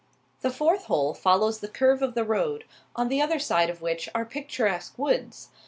The fourth hole follows the curve of the road, on the other side of which are picturesque woods.